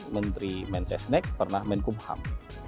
menteri mencesnek pernah menkumham